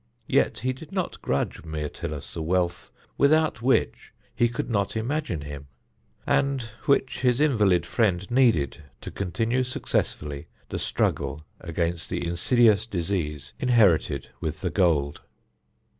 Yet he did not grudge Myrtilus the wealth without which he could not imagine him, and which his invalid friend needed to continue successfully the struggle against the insidious disease inherited with the gold.